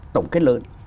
tổng kết lớn